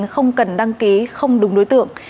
không cần đăng ký không đúng đối tượng